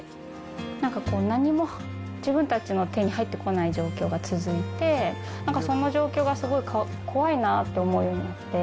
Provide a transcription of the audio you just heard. なんか、何も自分たちの手に入ってこない状況が続いて、なんかその状況がすごい怖いなと思うようになって。